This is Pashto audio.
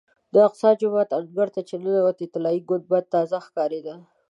د الاقصی جومات انګړ ته چې ننوتم طلایي ګنبده تازه ښکارېده.